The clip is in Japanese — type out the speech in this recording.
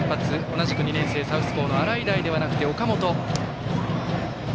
同じく２年生サウスポーの洗平ではなく岡本。